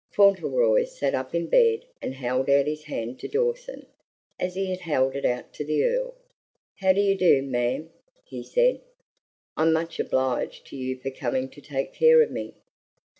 Fauntleroy sat up in bed and held out his hand to Dawson, as he had held it out to the Earl. "How do you do, ma'am?" he said. "I'm much obliged to you for coming to take care of me."